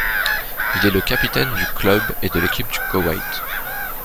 Il est le capitaine du club et de l'équipe du Koweït.